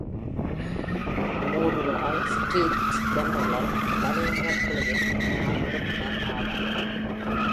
Moore "Wall Street Journal" தலையங்கக் குழுவின் முன்னாள் உறுப்பினர் ஆவர்.